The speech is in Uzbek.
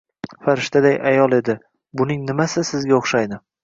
Farishtaday ayol edi. Buning nimasi sizga o'xshaydi?